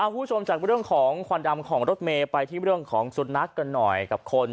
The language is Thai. คุณผู้ชมจากเรื่องของควันดำของรถเมย์ไปที่เรื่องของสุนัขกันหน่อยกับคน